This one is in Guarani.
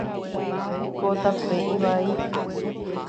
Ko tape ivai.